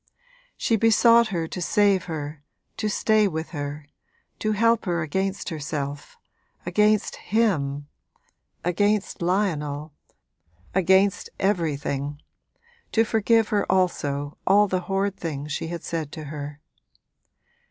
She besought her to save her, to stay with her, to help her against herself, against him, against Lionel, against everything to forgive her also all the horrid things she had said to her.